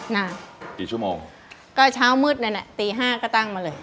น่ะกี่ชั่วโมงก็เช้ามืดนั้นอ่ะตีห้าก็ตั้งมาเลย